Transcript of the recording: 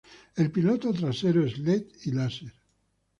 El piloto trasero es led y láser.